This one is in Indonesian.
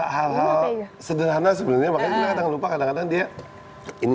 hal hal sederhana sebelumnya makanya kadang lupa kadang kadang dia ini